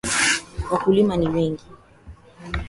Wakulima ni wengi.